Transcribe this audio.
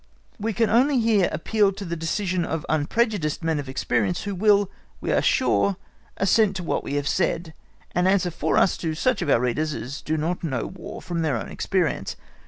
We can only here appeal to the decision of unprejudiced men of experience, who will, we are sure, assent to what we have said, and answer for us to such of our readers as do not know War from their own experience.